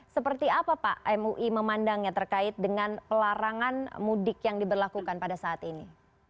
seperti apa pak mui memandangnya terkait dengan pelarangan mudik yang diberlakukan pada saat ini